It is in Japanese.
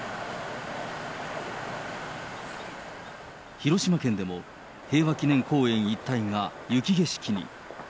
広島県でも、平和記念公園一帯が雪景色に。